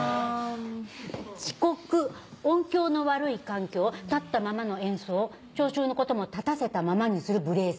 「遅刻・音響の悪い環境立ったままの演奏聴衆のことも立たせたままにする無礼さ」。